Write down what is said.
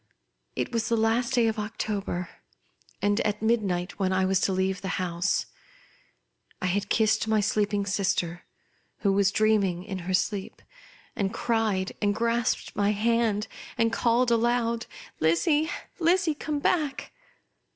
It was the last day of October, and at midnight, when I was to leave the house. I had kissed my sleeping sister, who was dreaming in her sleep, and cried, and grasped my iiand, called aloud, " Lizzie, Lizzie !, Come back